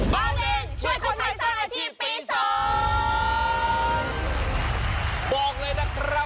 บ้านเต้นช่วยคนใหม่สร้างอาชีพปีศพ